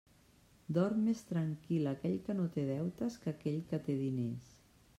Dorm més tranquil aquell que no té deutes que aquell que té diners.